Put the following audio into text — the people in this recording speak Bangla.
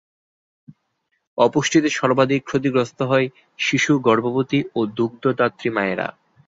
অপুষ্টিতে সর্বাধিক ক্ষতিগ্রস্ত হয় শিশু, গর্ভবতী ও দুগ্ধদাত্রী মায়েরা।